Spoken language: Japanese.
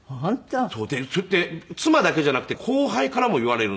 それって妻だけじゃなくて後輩からも言われるんですね。